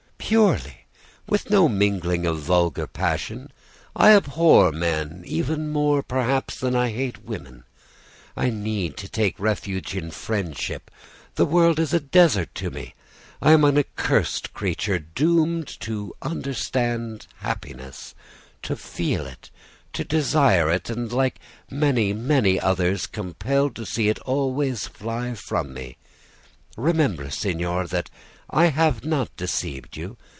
"'Purely, with no mingling of vulgar passion. I abhor men even more, perhaps than I hate women. I need to take refuge in friendship. The world is a desert to me. I am an accursed creature, doomed to understand happiness, to feel it, to desire it, and like many, many others, compelled to see it always fly from me. Remember, signor, that I have not deceived you.